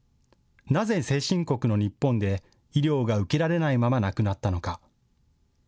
なぜ先進国の日本で医療が受けられないまま亡くなったのか。